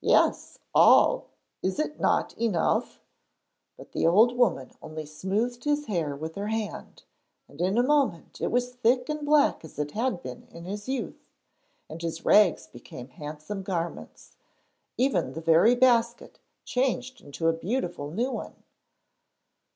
'Yes, all! Is it not enough?' But the old woman only smoothed his hair with her hand, and in a moment it was thick and black as it had been in his youth, and his rags became handsome garments. Even the very basket changed into a beautiful new one.